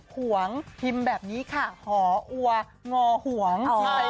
หนึ่งแบบนี้ค่ะหออัวงอห่วง